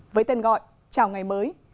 với tên gọi chào ngày mới